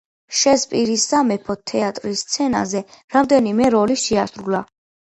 შექსპირის სამეფო თეატრის სცენაზე რამდენიმე როლი შეასრულა.